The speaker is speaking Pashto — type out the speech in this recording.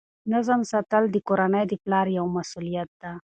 نظم ساتل د کورنۍ د پلار یوه مسؤلیت ده.